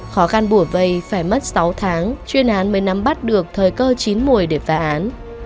khó khăn bùa vây phải mất sáu tháng chuyên án mới nắm bắt được thời cơ chín mùi để phá án